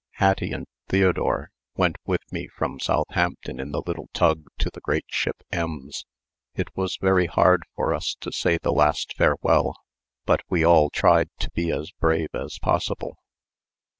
Hattie and Theodore went with me from Southampton in the little tug to the great ship Ems. It was very hard for us to say the last farewell, but we all tried to be as brave as possible.